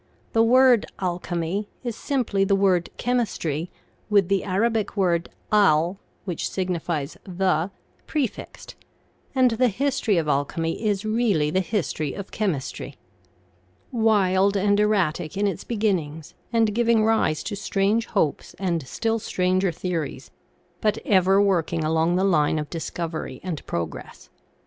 The word alchemy is simply the word chemistry with the Arabic word al, which signifies the, prefixed, and the history of alchemy is really the history of chemistry wild and erratic in its beginnings, and giving rise to strange hopes and still stranger theories, but ever working along the line of dis covery and progress.